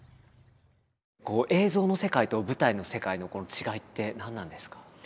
映像の世界と舞台の世界のこの違いって何なんですか？